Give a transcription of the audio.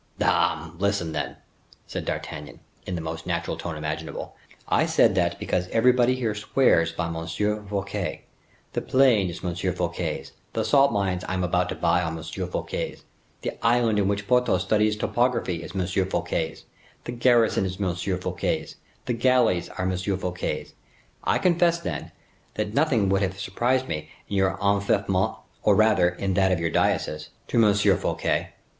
"Dame! listen then," said D'Artagnan, in the most natural tone imaginable. "I said that because everybody here swears by M. Fouquet. The plain is M. Fouquet's; the salt mines I am about to buy are M. Fouquet's; the island in which Porthos studies topography is M. Fouquet's; the garrison is M. Fouquet's; the galleys are M. Fouquet's. I confess, then, that nothing would have surprised me in your enfeoffment, or rather in that of your diocese, to M. Fouquet.